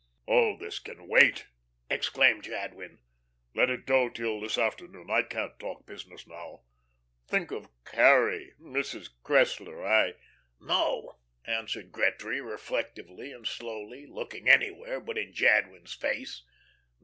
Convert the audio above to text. "Oh, this can wait?" exclaimed Jadwin. "Let it go till this afternoon. I can't talk business now. Think of Carrie Mrs. Cressler, I " "No," answered Gretry, reflectively and slowly, looking anywhere but in Jadwin's face.